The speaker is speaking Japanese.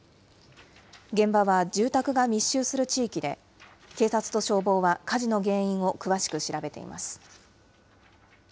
現場は住宅が密集する地域で、警察と消防は火事の原因を詳しく調べています。